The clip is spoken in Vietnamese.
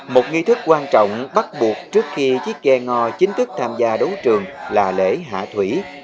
một nghi thức quan trọng bắt buộc trước khi chiếc ghe ngò chính thức tham gia đấu trường là lễ hạ thủy